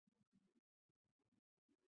这个晚上